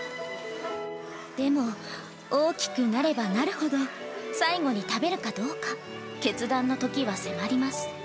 でも大きくなればなるほど、最後に食べるかどうか、決断の時は迫ります。